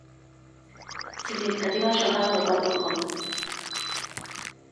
Significativa a xogada do cuarto gol.